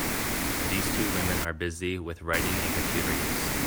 These two women are busy with writing and computer use.